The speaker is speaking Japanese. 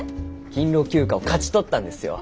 勤労休暇を勝ち取ったんですよ。